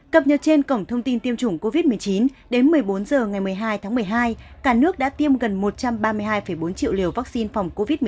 cập nhật trên cổng thông tin tiêm chủng covid một mươi chín đến một mươi bốn h ngày một mươi hai tháng một mươi hai cả nước đã tiêm gần một trăm ba mươi hai bốn triệu liều vaccine phòng covid một mươi chín